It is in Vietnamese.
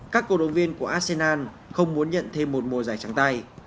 các cổ động viên của arsenal không muốn nhận thêm một mùa giải trắng tay